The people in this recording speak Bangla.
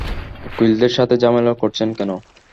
উকিলদের সাথে ঝামেলা করছেন কেন?